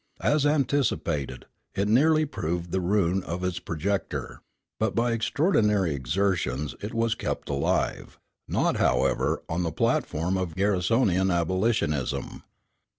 As anticipated, it nearly proved the ruin of its projector; but by extraordinary exertions it was kept alive, not, however, on the platform of Garrisonian abolitionism.